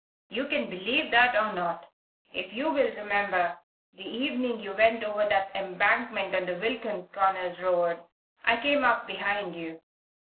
You can believe that, or not. If you will remember, the evening you went over that embankment on the Wilkins Corners road, I came up behind you.